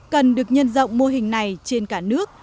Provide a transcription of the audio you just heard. cần được nhân rộng mô hình này trên cả nước